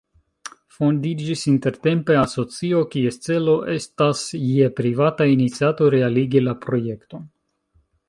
Fondiĝis intertempe asocio, kies celo estas je privata iniciato realigi la projekton.